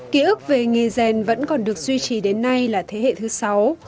ký ức về nghề rèn vẫn còn được duy trì đến nay là thế hệ thứ sáu